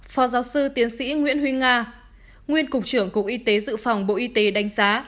phó giáo sư tiến sĩ nguyễn huy nga nguyên cục trưởng cục y tế dự phòng bộ y tế đánh giá